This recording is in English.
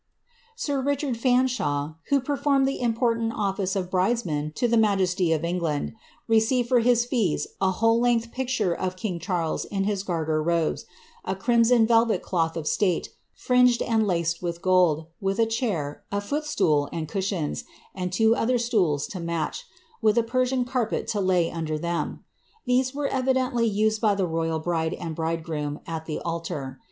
Sir Richard Fanshawe, who performed the important office of brides man to the majesty of England, received for his fees a whole length })icture of king Charles in his garter robes, a crimson velvet cloth of state, fringed and laced with gold, with a ciiair, a footstool and cushiooSi and two other stools to match, with a Persian carpet to lay under then; these were evidently used by the royal bride and bridegroom at the altar.